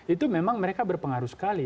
itu memang mereka berpengaruh sekali